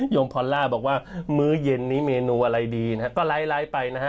มพอลล่าบอกว่ามื้อเย็นนี้เมนูอะไรดีนะฮะก็ไลฟ์ไปนะฮะ